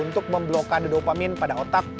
untuk memblokadasi dopamine pada otak